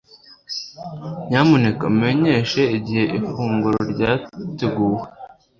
Nyamuneka umenyeshe igihe ifunguro ryateguwe